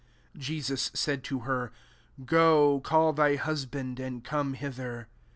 1 6 Jesus said to her, Go, call thy husband^ and coin.e hither."